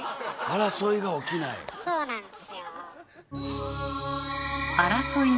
争いが起きない。